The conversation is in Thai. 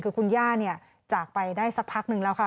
คือคุณย่าจากไปได้สักพักนึงแล้วค่ะ